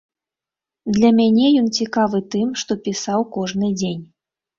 Для мяне ён цікавы тым, што пісаў кожны дзень.